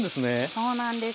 そうなんです。